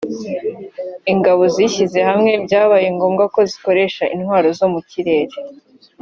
ingabo zishyize hamwe byabaye ngombwa ko zikoresha intwaro zo mu kirere